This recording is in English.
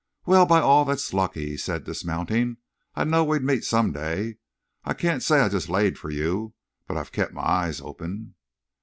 "Wal, by all thet's lucky!" he said, dismounting. "I knowed we'd meet some day. I can't say I just laid fer you, but I kept my eyes open."